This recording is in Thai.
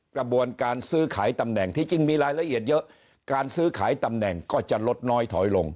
กระบวนการซื้อขายตำแหน่งที่จริงมีรายละเอียดเยอะการซื้อขายตำแหน่งก็จะลดน้อยถอยลง